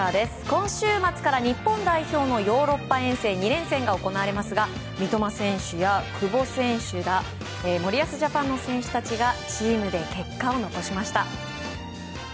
今週末から日本代表のヨーロッパ遠征２連戦が行われますが三笘選手や久保選手ら森保ジャパンの選手たちがチームで結果を残しました。